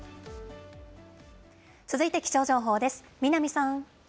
続いて気象情報です。